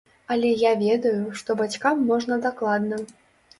Але я ведаю, што бацькам можна дакладна.